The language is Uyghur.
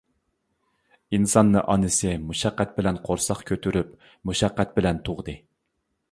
ئىنساننى ئانىسى مۇشەققەت بىلەن قورساق كۆتۈرۈپ، مۇشەققەت بىلەن تۇغدى.